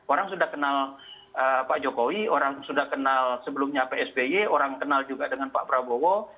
orang sudah kenal pak jokowi orang sudah kenal sebelumnya psby orang kenal juga dengan pak prabowo